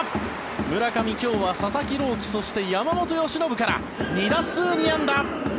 村上、今日は佐々木朗希、そして山本由伸から２打数２安打。